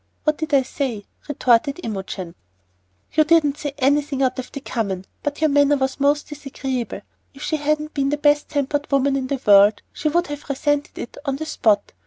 What did I say?" retorted Imogen. "You didn't say anything out of the common, but your manner was most disagreeable. If she hadn't been the best tempered woman in the world she would have resented it on the spot.